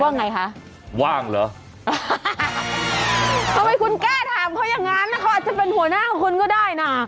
ไงคะว่างเหรอทำไมคุณกล้าถามเขาอย่างนั้นเขาอาจจะเป็นหัวหน้าคุณก็ได้น่ะ